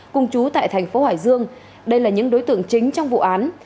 cùng chú tại thành phố hải dương đây là những đối tượng chính trong vụ án